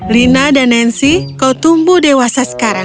lina dan nancy kau tumbuh dewasa sekarang